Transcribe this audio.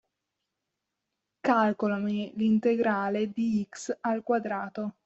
Calcolami l'integrale di x al quadrato.